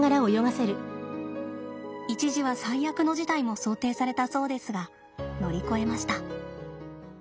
一時は最悪の事態も想定されたそうですが乗り越えました。